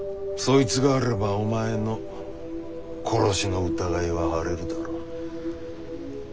そいつがあればお前の殺しの疑いは晴れるだろう。